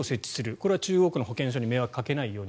これは中央区の保健所に迷惑をかけないように。